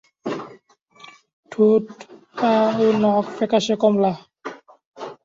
ঠোঁট, পা ও নখ ফ্যাকাশে কমলা।